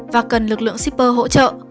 và cần lực lượng shipper hỗ trợ